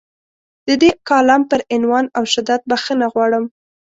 د دې کالم پر عنوان او شدت بخښنه غواړم.